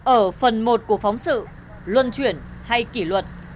ở phần một của phóng sự luân chuyển hay kỷ luật